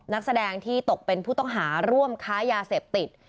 นักแสดงที่ตกเป็นผู้ต้องหาร่วมค้ายาเสพติด